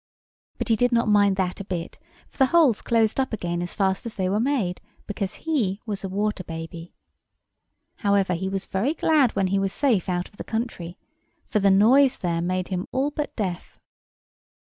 But he did not mind that a bit; for the holes closed up again as fast as they were made, because he was a water baby. However, he was very glad when he was safe out of the country, for the noise there made him all but deaf.